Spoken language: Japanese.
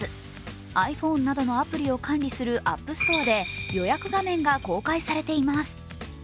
ｉＰｈｏｎｅなどのアプリを管理するＡｐｐＳｔｏｒｅで予約画面が公開されています。